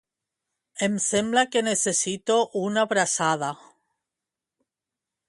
Em sembla que necessito una abraçada.